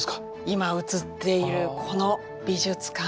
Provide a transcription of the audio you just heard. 今映っているこの美術館。